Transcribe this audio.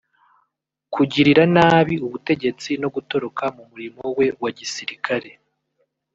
kugirira nabi ubutegetsi no gutoroka mu murimo we wa gisirikare